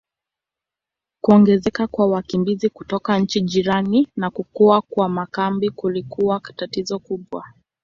Kuongezeka kwa wakimbizi kutoka nchi jirani na kukua kwa makambi kulikuwa tatizo kubwa.